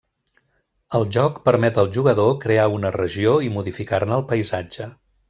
El joc permet al jugador crear una regió i modificar-ne el paisatge.